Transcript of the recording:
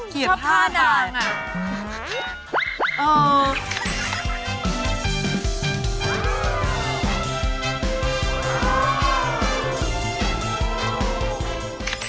ชอบท่าดัง